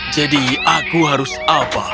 jadi aku harus apa